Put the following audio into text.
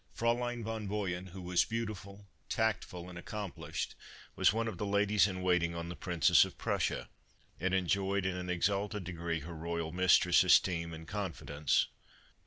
Fraulein von Boyen, who was beautiful, tactful and accomplished, was one of the Ladies in waiting on the Princess of Prussia, and enjoyed in an exalted degree her royal mistress' esteem and confidence.